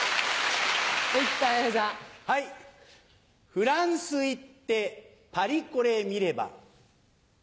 フランス行ってパリコレ見れば。